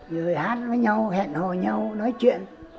rồi hát với nhau hẹn hò nhau nói chuyện